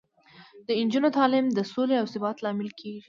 د نجونو تعلیم د سولې او ثبات لامل کیږي.